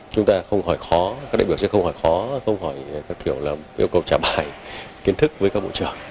chúng ta không hỏi khó các đại biểu sẽ không hỏi khó không hỏi kiểu yêu cầu trả bài kiến thức với các bộ trưởng